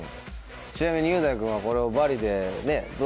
ちなみに雄大君はこれをバリで。